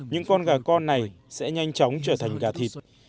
những con gà con này sẽ nhanh chóng trở thành gà thịt